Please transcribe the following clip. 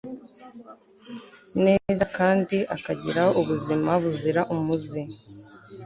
neza kandi akagira ubuzima buzira umuze